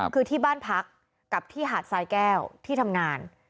คือที่บ้านพักกับที่หาดทรายแก้วที่ทำงาน